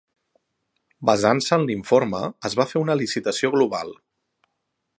Basant-se en l'informe, es va fer una licitació global.